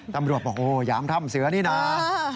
ตำรวจบอกโอ๊ยยามทำเสือนี่น้า